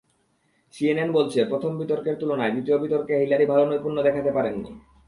CNN বলছে, প্রথম বিতর্কের তুলনায় দ্বিতীয় বিতর্কে হিলারি ভালো নৈপুণ্য দেখাতে পারেননি।